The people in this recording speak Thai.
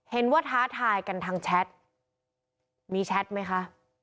ท้าทายกันทางแชทมีแชทไหมคะ